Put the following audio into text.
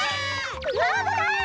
あぶない。